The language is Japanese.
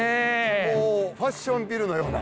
もうファッションビルのような。